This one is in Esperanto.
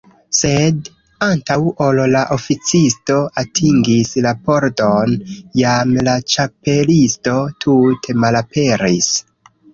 Sed antaŭ ol la oficisto atingis la pordon, jam la Ĉapelisto tute malaperis.